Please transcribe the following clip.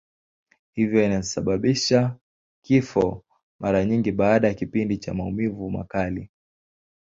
Hivyo inasababisha kifo, mara nyingi baada ya kipindi cha maumivu makali.